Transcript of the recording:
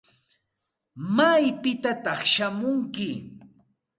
¿Maypitataq shamunki?